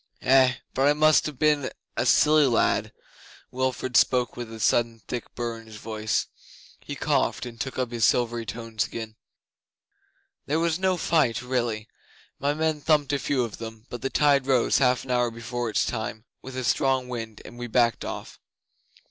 Eh, but I must ha' been a silly lad.' Wilfrid spoke with a sudden thick burr in his voice. He coughed, and took up his silvery tones again. 'There was no fight really. My men thumped a few of them, but the tide rose half an hour before its time, with a strong wind, and we backed off.